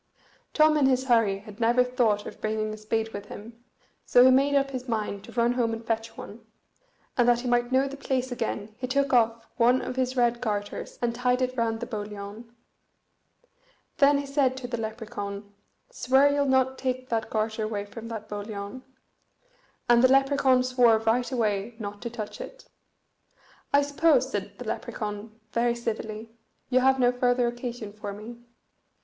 Tom in his hurry had never thought of bringing a spade with him, so he made up his mind to run home and fetch one; and that he might know the place again he took off one of his red garters, and tied it round the boliaun. Then he said to the Lepracaun, "Swear ye'll not take that garter away from that boliaun." And the Lepracaun swore right away not to touch it. "I suppose," said the Lepracaun, very civilly, "you have no further occasion for me?"